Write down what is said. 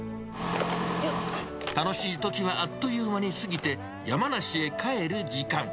楽しいときはあっという間に過ぎて、山梨へ帰る時間。